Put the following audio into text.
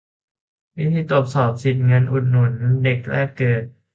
วิธีตรวจสอบสิทธิ์เงินอุดหนุนเด็กแรกเกิด